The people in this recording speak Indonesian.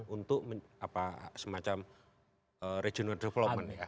untuk semacam regional development ya